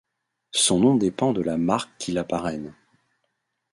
Son nom dépend de la marque qui la parraine.